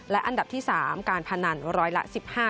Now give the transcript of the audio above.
และอันดับที่๓การพนันร้อยละ๑๕